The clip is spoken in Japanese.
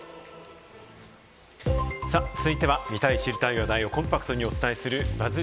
ここからは見たい知りたい話題をコンパクトにお伝えするＢＵＺＺ